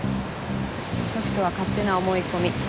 もしくは勝手な思い込み。